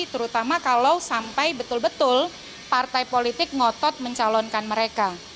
terutama kalau sampai betul betul partai politik ngotot mencalonkan mereka